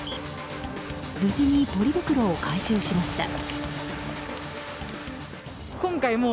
無事にポリ袋を回収しました。